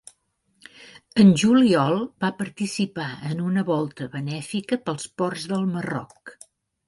En juliol, va participar en una volta benèfica pels ports del Marroc.